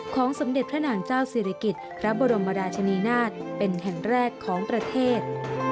สมเด็จพระนางเจ้าศิริกิจพระบรมราชนีนาฏเป็นแห่งแรกของประเทศ